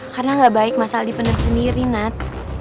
karena gak baik masalah di penerb sendiri nat